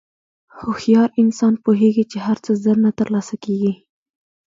هوښیار انسان پوهېږي چې هر څه زر نه تر لاسه کېږي.